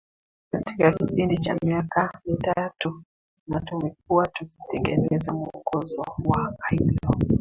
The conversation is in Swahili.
katika kipindi cha miaka mitatu na tumekuwa tukitengeneza mwongozo wa ailo